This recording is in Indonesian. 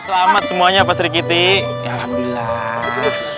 selamat semuanya pasti gitu ya alhamdulillah